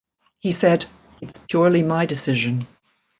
He said: It's purely my decision.